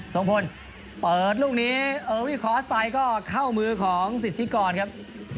ส่งพลเปิดลูกนี้เออวี่คอร์สไปก็เข้ามือของสิทธิกรครับ